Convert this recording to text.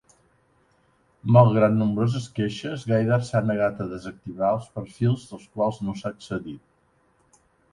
Malgrat nombroses queixes, Gaydar s'ha negat a desactivat els perfils als quals no s'ha accedit.